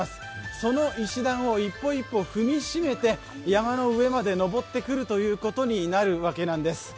その石段を一歩一歩踏みしめて、山の上まで来るということになるんです。